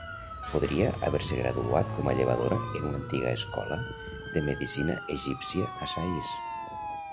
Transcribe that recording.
Podria haver-se graduat com a llevadora en una antiga escola de medicina egípcia a Sais.